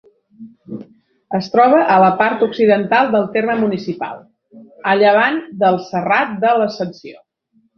Es troba a la part occidental del terme municipal, a llevant del serrat de l'Ascensió.